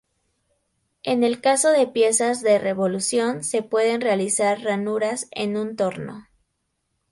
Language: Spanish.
En el caso de piezas de revolución se pueden realizar ranuras en un torno.